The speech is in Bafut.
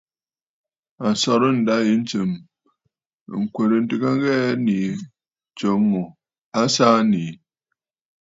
A sɔrə̀ ǹdâ yì ntsɨ̀m ŋ̀kwerə ntɨgə ŋghɛɛ nii tso ŋù a saa nii.